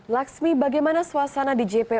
laksmi bagaimana suasana di jp